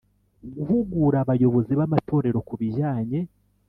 guhugura abayobozi b amatorero ku bijyanye